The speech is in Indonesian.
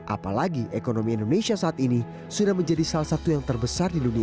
apalagi ekonomi indonesia saat ini sudah menjadi salah satu yang terbesar di dunia